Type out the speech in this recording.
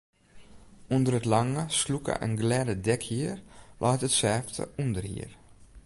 Under it lange, slûke en glêde dekhier leit it sêfte ûnderhier.